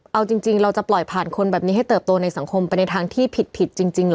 เอาจริงเราจะปล่อยผ่านคนแบบนี้ให้เติบโตในสังคมไปในทางที่ผิดจริงเหรอ